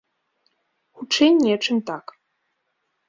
Хутчэй не, чым так.